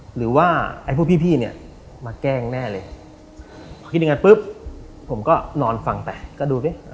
หรือว่าไอ้ผู้พี่เนี่ยมาแกล้งแน่เลยก็คิดดังนั้นผมก็นอนฝั่งไปก็ดูสิ